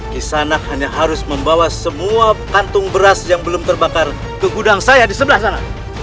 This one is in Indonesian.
kisanak hanya harus membawa semua kantung beras yang belum terbakar ke gudang saya di sebelah sana